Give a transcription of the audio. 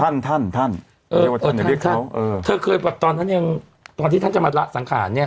ท่านท่านท่านเออเออท่านท่านเธอเคยแบบตอนท่านยังตอนที่ท่านจะมาละสังขารเนี้ย